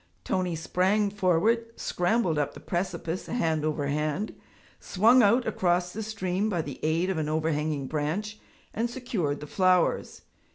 Tony sprang forward, scrambled up the precipice hand over hand, swung out across the stream by the aid of an overhanging branch, and secured the flowers.